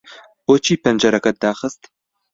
بۆچی پەنجەرەکەت داخست؟